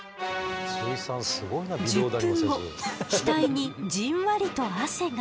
１０分後額にじんわりと汗が。